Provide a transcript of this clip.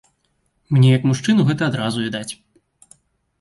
Мне як мужчыну гэта адразу відаць.